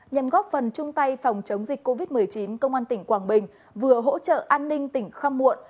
nhằm góp phần chung tay phòng chống dịch covid một mươi chín công an tỉnh quảng bình vừa hỗ trợ an ninh tỉnh khăm muộn